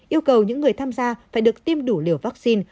yêu cầu những người tham gia phải được tiêm đủ liều vaccine